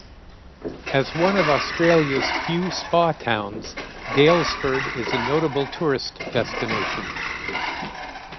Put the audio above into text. As one of Australia's few spa towns, Daylesford is a notable tourist destination.